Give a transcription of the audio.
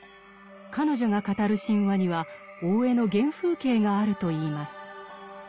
彼女が語る神話には大江の原風景があるといいます。